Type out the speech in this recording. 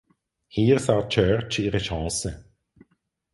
Hier sah Church ihre Chance.